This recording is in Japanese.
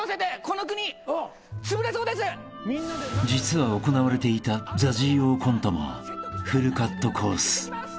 ［実は行われていたＺＡＺＹ王コントもフルカットコース］